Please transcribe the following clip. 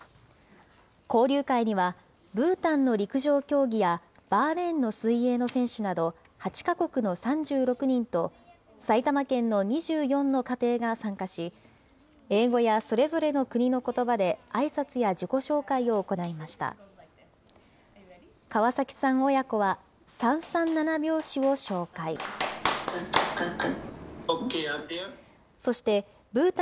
交流会には、ブータンの陸上競技や、バーレーンの水泳の選手など、８か国の３６人と、埼玉県の２４の家庭が参加し、英語やそれぞれの国のことばで、あいさつや自己紹介を行いました。